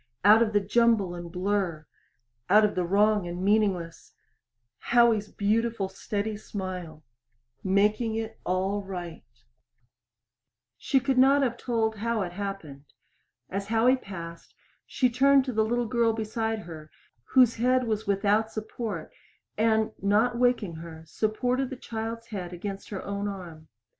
Out of the jumble and blur out of the wrong and meaningless Howie's beautiful steady smile making it all right. She could not have told how it happened. As Howie passed, she turned to the little girl beside her whose head was without support and, not waking her, supported the child's head against her own arm.